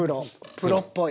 プロっぽい！